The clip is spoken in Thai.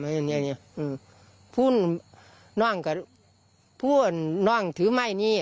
พูดพูดนั่นกันพูนนั่งถือไม่เนี่ย